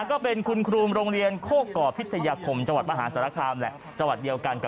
กะหยาบหัวโร่